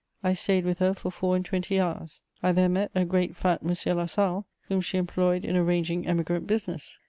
I stayed with her for four and twenty hours; I there met a great fat Monsieur Lasalle, whom she employed in arranging emigrant business.